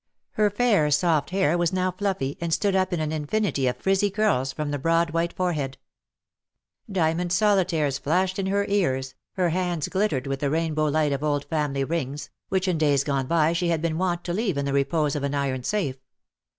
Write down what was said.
Her fair, soft hair was now fluffy, and stood up in an infinity of frizzy curls from the broad white fore head. Diamond solitaires flashed in her ears, her 99 hands glittered with the rainbow light of old family rings, which in days gone by she had been wont to leave in the repose of an iron safe.